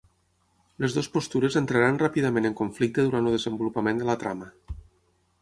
Les dues postures entraran ràpidament en conflicte durant el desenvolupament de la trama.